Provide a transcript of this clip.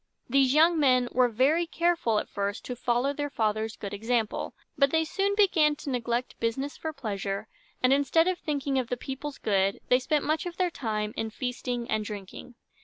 These young men were very careful at first to follow their father's good example; but they soon began to neglect business for pleasure, and, instead of thinking of the people's good, they spent much of their time in feasting and drinking.